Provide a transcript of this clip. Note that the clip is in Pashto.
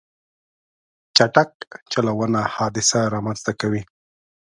چټک چلوونه حادثه رامنځته کوي.